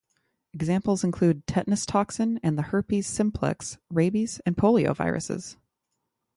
Examples include tetanus toxin and the herpes simplex, rabies, and polio viruses.